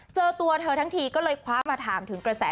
เจอตัวเธอทั้งทีก็เลยคว้ามาถามถึงกระแส